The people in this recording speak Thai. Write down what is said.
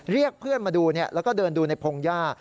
เรียกเพื่อนมาดูแล้วก็เดินดูในพงหญ้า